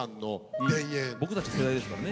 僕たち世代ですからね。